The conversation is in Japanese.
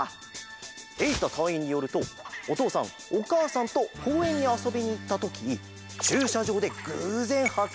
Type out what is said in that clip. えいたたいいんによるとおとうさんおかあさんとこうえんにあそびにいったときちゅうしゃじょうでぐうぜんはっ